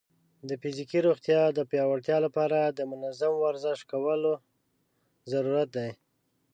د فزیکي روغتیا د پیاوړتیا لپاره د منظم ورزش کولو ضرورت دی.